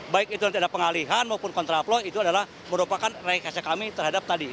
baik itu ada pengalihan maupun kontra flow itu adalah merupakan rekesnya kami terhadap tadi